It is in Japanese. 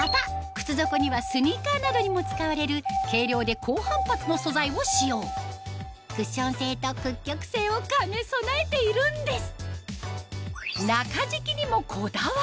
靴底にはスニーカーなどにも使われる軽量で高反発の素材を使用クッション性と屈曲性を兼ね備えているんです